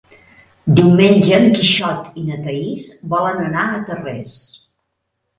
Diumenge en Quixot i na Thaís volen anar a Tarrés.